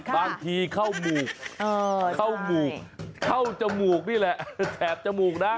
บางทีเข้าหมูกเข้าจมูกนี่แหละแสบจมูกนะ